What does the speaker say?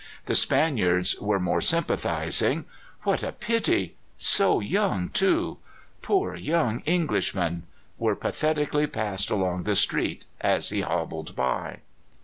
The Spaniards were most sympathizing. 'What a pity!' 'So young, too!' 'Poor young Englishman!' were pathetically passed along the street as he hobbled by."